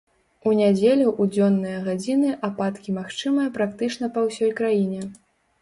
У нядзелю ў дзённыя гадзіны ападкі магчымыя практычна па ўсёй краіне.